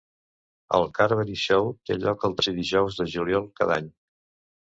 El Carbery Show té lloc el tercer dijous de juliol cada any.